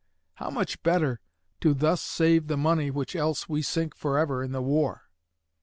How much better to thus save the money which else we sink forever in the war!